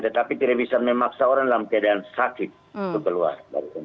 tetapi tidak bisa memaksa orang dalam keadaan sakit kekeluar dari tempatnya